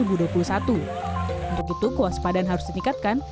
untuk itu kuasa padan harus dinikatkan